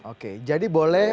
oke jadi boleh